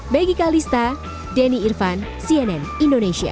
begi kalista denny irvan cnn indonesia